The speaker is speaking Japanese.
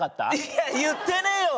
いや言ってねぇよ！